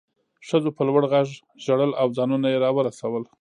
ښځو په لوړ غږ ژړل او ځانونه یې راورسول